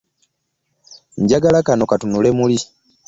Njjagala kano katunule muli.